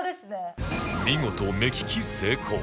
見事目利き成功